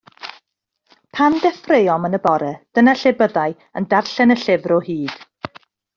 Pan ddeffroem yn y bore, dyna lle byddai yn darllen y llyfr o hyd.